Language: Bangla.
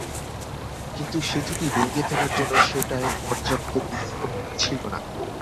কিন্তু সেতুটি ভেঙে ফেলার জন্য সেটায় পর্যাপ্ত বিস্ফোরক ছিল না।